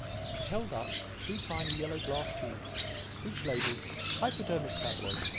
He held up two tiny yellow glass tubes, each labelled "Hypodermic tabloids.